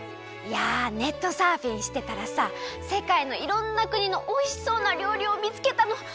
いやネットサーフィンしてたらさせかいのいろんなくにのおいしそうなりょうりをみつけたの。